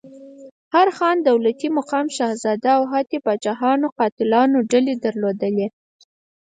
هر خان، دولتي مقام، شهزاده او حتی پاچا د قاتلانو ډلې درلودلې.